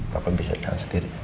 papa bisa jalan sendiri